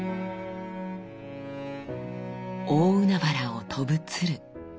大海原を飛ぶ鶴。